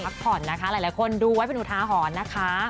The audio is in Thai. พักผ่อนนะคะหลายคนดูไว้เป็นอุทาหรณ์นะคะ